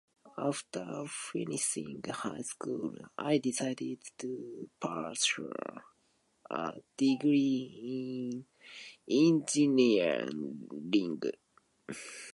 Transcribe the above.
After finishing high school, I decided to pursue a degree in engineering.